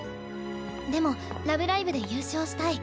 でも「ラブライブ！」で優勝したい。